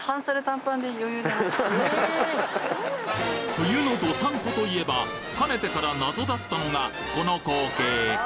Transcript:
冬の道産子といえばかねてから謎だったのがこの光景